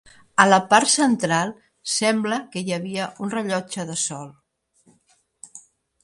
A la part central sembla que hi havia un rellotge de sol.